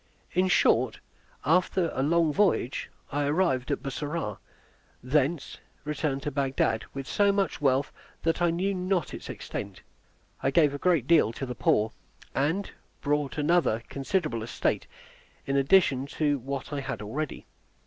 In short, after a long voyage, I arrived at Bussorah, and thence returned to Bagdad with so much wealth that I knew not its extent. I gave a great deal to the poor, and bought another considerable estate in addition to what I had already.